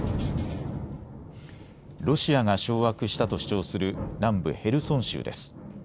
ロシアが掌握したと主張する南部ヘルソン州です。